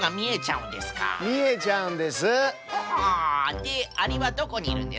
でアリはどこにいるんですか？